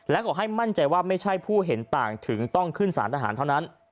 และขอให้มั่นใจว่าไม่ใช่ผู้เห็นต่างถึงต้องขึ้นสารทหารเท่านั้น